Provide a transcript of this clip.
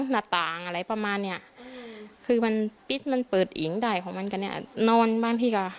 มันเปิดอิงใดของมันก็นอนบ้างพี่ค่ะ